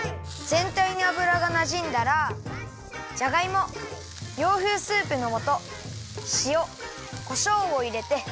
ぜんたいにあぶらがなじんだらじゃがいも洋風スープのもとしおこしょうをいれてまぜながらいためます。